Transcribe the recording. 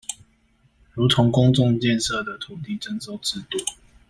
如同公眾建設的土地徵收制度